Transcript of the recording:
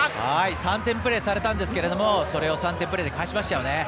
３点プレーされたんですけれどもそれを３点プレーで返しましたよね。